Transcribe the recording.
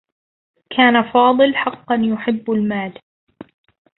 كان فاضل حقّا يحبّ المال.